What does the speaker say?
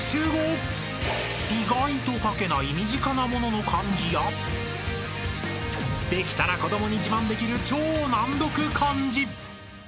［意外と書けない身近な物の漢字やできたら子供に自慢できる］